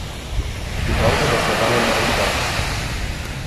Ich bedaure, dass Herr Bangemann nicht da ist.